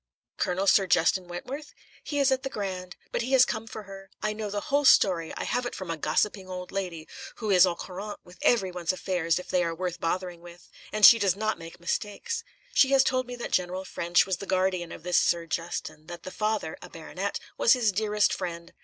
"Colonel Sir Justin Wentworth? He is at the Grand. But he has come for her. I know the whole story I have it from a gossiping old lady who is au courant with every one's affairs if they are worth bothering with; and she does not make mistakes. She has told me that General Ffrench was the guardian of this Sir Justin, that the father a baronet was his dearest friend.